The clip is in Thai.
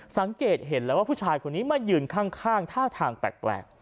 สังเกตเห็นแล้วว่าผู้ชายคนนี้มายืนข้างท่าทางแปลก